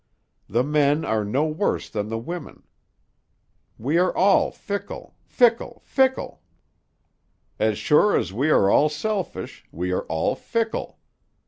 The men are no worse than the women; we are all fickle, fickle, fickle. As sure as we are all selfish, we are all fickle.